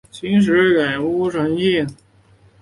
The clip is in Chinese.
秦时改称乌程县。